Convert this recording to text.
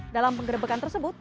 dalam penggerbekan tersebut